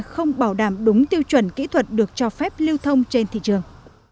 không bảo đảm đúng tiêu chuẩn kỹ thuật được cho phép lưu thông trên thị trường